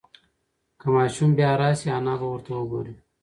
که ماشوم بیا راشي انا به ورته وگوري.